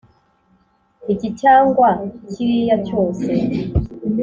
iki cyangwa kiriya cyose